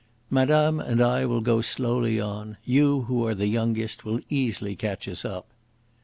"Madame and I will go slowly on; you, who are the youngest, will easily catch us up."